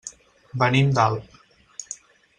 Venim d'Alp.